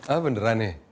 apa beneran nih